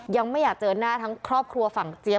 ยังไม่อยากเจอหน้าทั้งครอบครัวฝั่งเจี๊ย